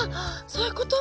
そういうこと？